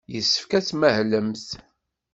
Yessefk ad tmahlemt.